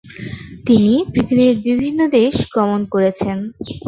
তিনি পৃথিবীর বিভিন্ন দেশে গমন করেছেন।